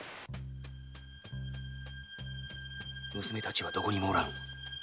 娘たちはどこにもおらぬ。